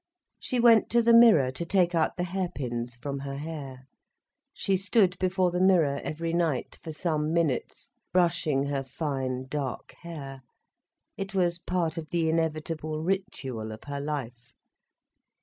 She went to the mirror to take out the hairpins from her hair. She stood before the mirror every night for some minutes, brushing her fine dark hair. It was part of the inevitable ritual of her life.